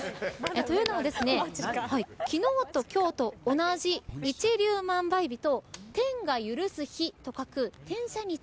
というのは、昨日と今日と同じ一粒万倍日と天がゆるす日という、天赦日